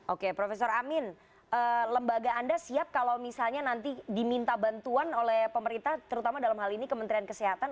oke prof amin lembaga anda siap kalau misalnya nanti diminta bantuan oleh pemerintah terutama dalam hal ini kementerian kesehatan